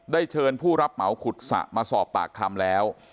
เชิญผู้รับเหมาขุดสระมาสอบปากคำแล้ว